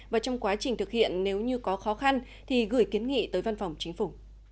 và trong quá trình thực hiện nếu như có khó khăn thì gửi kiến nghị tới văn phòng chính phủ